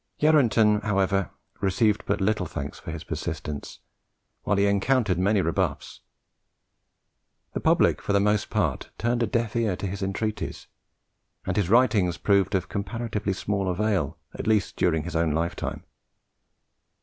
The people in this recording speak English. Yarranton, however, received but little thanks for his persistency, while he encountered many rebuffs. The public for the most part turned a deaf ear to his entreaties; and his writings proved of comparatively small avail, at least during his own lifetime.